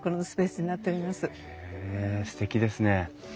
へえすてきですね。